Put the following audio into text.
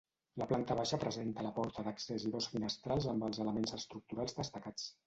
La planta baixa presenta la porta d'accés i dos finestrals amb els elements estructurals destacats.